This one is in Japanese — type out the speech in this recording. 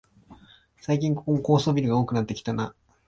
最近ここも高層ビルが多くなってきたなあ